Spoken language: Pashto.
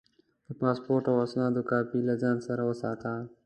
د پاسپورټ او اسنادو کاپي له ځان سره وساته.